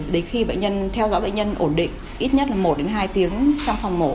đến khi theo dõi bệnh nhân ổn định ít nhất là một hai tiếng trong phòng mổ